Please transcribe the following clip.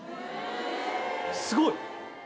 すごい！